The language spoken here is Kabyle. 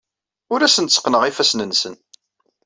Ur asen-tteqqneɣ ifassen-nsen.